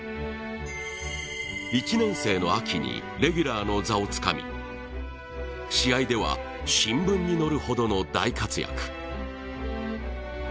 １年生の秋にレギュラーの座をつかみ試合では新聞に載るほどの大活躍。